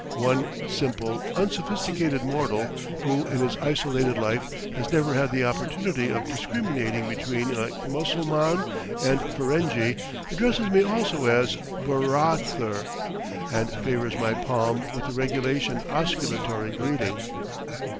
One simple, unsophisticated mortal, who in his isolated life has never had the opportunity of discriminating between a Mussulman and a Ferenghi, addresses me also as "bur raa ther," and favors my palm with the regulation osculatory greeting.